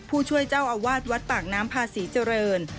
ผู้ช่วยเจ้าอาวาสวัดปากน้ำพาศรีเจริญ